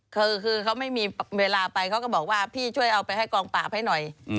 คือเขาไม่มีเวลาไปเขาก็บอกว่าพี่ช่วยเอาไปให้กองปราบให้หน่อย